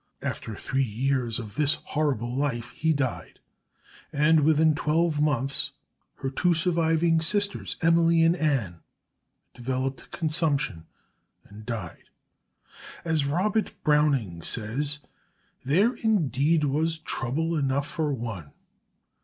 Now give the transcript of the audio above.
After three years of this horrible life, he died, and within twelve months her two surviving sisters, Emily and Anne, developed consumption and died. As Robert Browning says, there indeed was "trouble enough for one!"